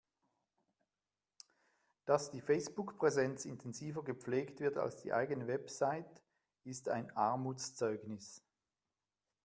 Dass die Facebook-Präsenz intensiver gepflegt wird als die eigene Website, ist ein Armutszeugnis.